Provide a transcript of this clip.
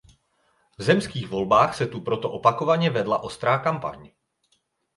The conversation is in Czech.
V zemských volbách se tu proto opakovaně vedla ostrá kampaň.